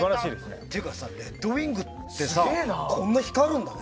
っていうかレッドウィングってこんな光るんだね